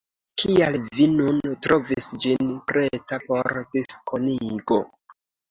Kial vi nun trovis ĝin preta por diskonigo?